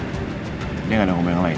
udah itu aja dia gak mau ngomong yang lain